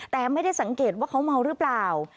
แต่ไม่ได้สังเกตว่าเขาเมาหรือเปล่า